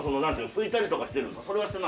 拭いたりとかしてるんですか？